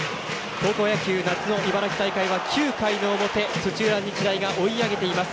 高校野球、夏の茨城大会は９回の表、土浦日大が追い上げています。